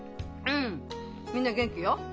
うんみんな元気よ。